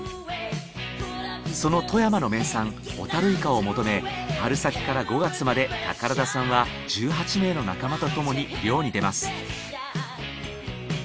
その富山の名産ホタルイカを求め春先から５月まで宝田さんは１８名の仲間とともに漁に出ます。